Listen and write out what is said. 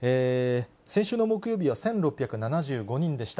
先週の木曜日は１６７５人でした。